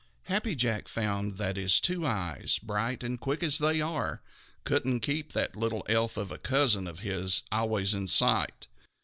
Happy Jack found that his two eyes, bright and quick as they are, couldn't keep that little elf of a cousin of his always in sight.